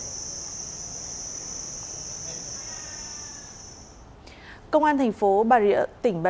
liên quan đến vụ việc bảo vệ đánh nhau với người dân tại càng biển an thới tp hcm gây xôn xa dư luận